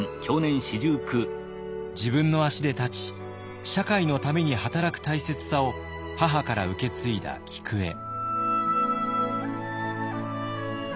自分の足で立ち社会のために働く大切さを母から受け継いだ菊栄。